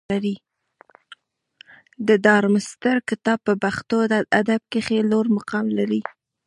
د ډارمستتر کتاب په پښتو ادب کښي لوړ مقام لري.